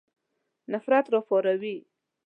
نفرت را وپاروي.